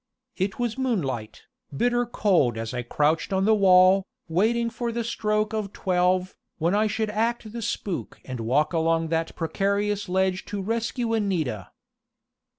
It was moonlight, bitter cold as I crouched on the wall, waiting for the stroke of twelve, when I should act the spook and walk along that precarious ledge to rescue Anita.